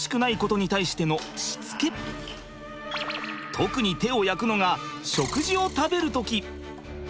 特に手を焼くのが食事を食べる時。